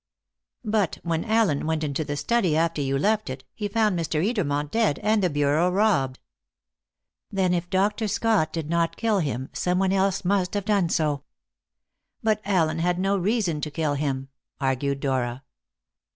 "But when Allen went into the study after you left it, he found Mr. Edermont dead, and the bureau robbed." "Then, if Dr. Scott did not kill him, someone else must have done so." "But Allen had no reason to kill him," argued Dora.